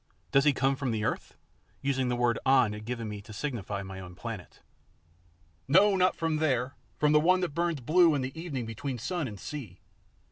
Does he come from the earth?" using the word An had given me to signify my own planet. "No, not from there; from the one that burns blue in evening between sun and sea.